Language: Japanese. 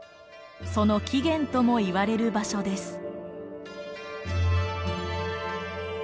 その起源ともいわれる場所です。